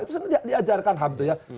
itu sudah diajarkan hamdunya